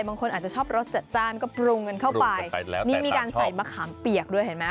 บางคนอาจจะชอบรสจัดจ้านก็ปรุงกันเข้าไปแล้วนี่มีการใส่มะขามเปียกด้วยเห็นไหม